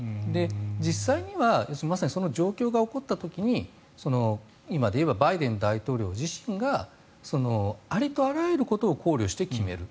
実際にはまさにその状況が起こった時に今でいえばバイデン大統領自身がありとあらゆることを考慮して決める。